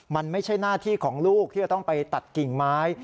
มันไม่ใช่หน้าที่ของลูกที่จะต้องไปตัดกิ่งไม้